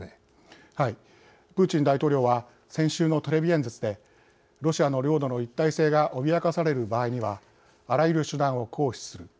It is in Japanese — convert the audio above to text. プーチン大統領は先週のテレビ演説で「ロシアの領土の一体性が脅かされる場合にはあらゆる手段を行使する。